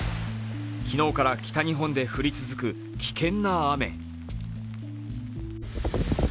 昨日から北日本で降り続く危険な雨。